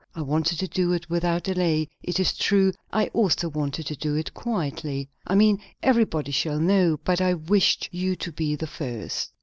I wanted to do it without delay, it is true; I also wanted to do it quietly. I mean everybody shall know; but I wished you to be the first."